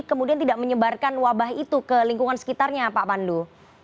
jadi kemudian tidak menyebarkan wabah itu ke lingkungan sekitarnya pak pandu